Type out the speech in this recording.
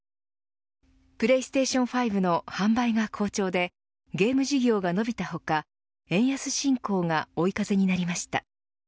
プレイステーション５の販売が好調でゲーム事業が伸びた他円安進行が追い風になりました。